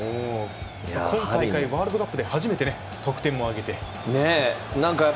今大会ワールドカップで初めて得点を挙げて。